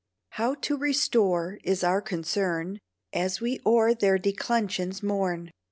How to restore is our concern, As we o'er their declensions mourn.